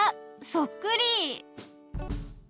そっくり！